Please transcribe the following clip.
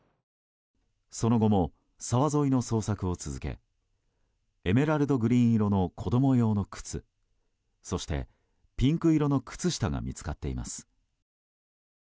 その後も沢沿いの捜索を続けエメラルドグリーン色の子供用の靴そして、ピンク色の靴下が見つかっています。